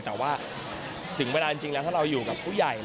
แต่ว่าถึงเวลาจริงแล้วถ้าเราอยู่กับผู้ใหญ่